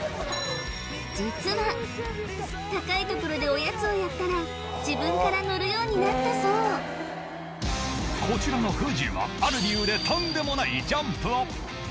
実は高い所でおやつをやったら自分から乗るようになったそうこちらのふじはある理由でとんでもないジャンプを！